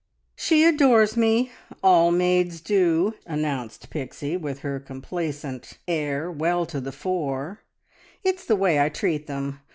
"She adores me all maids do," announced Pixie, with her complacent air well to the fore. "It's the way I treat them.